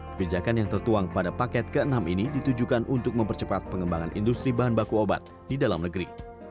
kebijakan yang tertuang pada paket ke enam ini ditujukan untuk mempercepat pengembangan industri bahan baku obat di dalam negeri